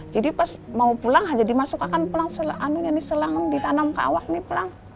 jadi pas mau pulang hanya dimasukkan pulang selangnya ditanam ke awak nih pulang